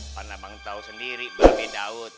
pada abang tau sendiri babes daud